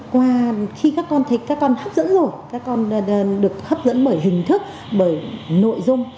qua khi các con thích các con hấp dẫn rồi các con được hấp dẫn bởi hình thức bởi nội dung